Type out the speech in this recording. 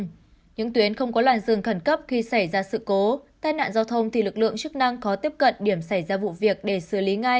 những tuyến không có làn rừng khẩn cấp khi xảy ra sự cố tai nạn giao thông thì lực lượng chức năng khó tiếp cận điểm xảy ra vụ việc để xử lý ngay